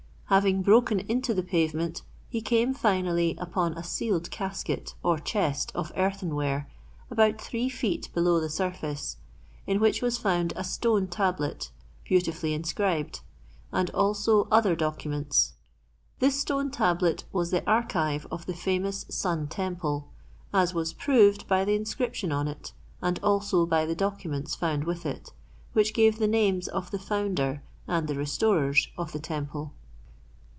Having broken into the pavement, he came finally upon a sealed casket or chest of earthenware, about three feet below the surface, in which was found a stone tablet, beautifully inscribed, and also other documents. This stone tablet was the archive of the famous Sun temple as was proved by the inscription on it, and also by the documents found with it, which gave the names of the founder and the restorers of the temple.